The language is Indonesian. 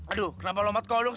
aduh kenapa lompat kodok